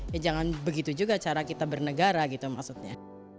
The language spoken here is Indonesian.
ya jangan begitu juga cara kita bernegara gitu maksudnya